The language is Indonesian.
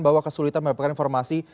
bahwa kesulitan mendapatkan informasi